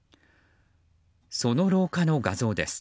その廊下の画像です。